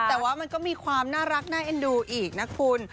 แต่ว่ามันก็มีความน่ารักน่าเอ็นดูอีกนะคุณ